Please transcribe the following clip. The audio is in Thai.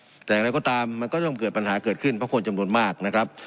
แต่อย่างไรก็ตามมันก็ต้องเกิดปัญหาเกิดขึ้นเพราะคนจำนวนมากนะครับ